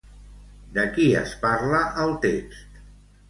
De qui es parla al text?